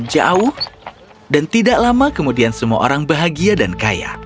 jauh dan tidak lama kemudian semua orang bahagia dan kaya